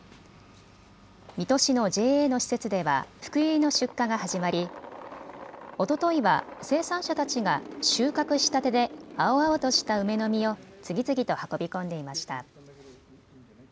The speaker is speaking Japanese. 水戸市のＪＡの施設ではふくゆいの出荷が始まりおとといは生産者たちが収穫したてで青々とした梅の実を次々と運び込んでいました。